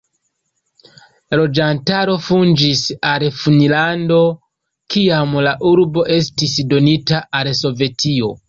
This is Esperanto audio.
La loĝantaro fuĝis al Finnlando, kiam la urbo estis donita al Sovetio.